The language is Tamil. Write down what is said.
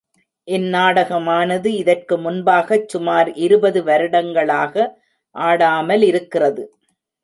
இந் நாடகமானது இதற்கு முன்பாகச் சுமார் இருபது வருடங்களாக ஆடாமலிருக்கிறது.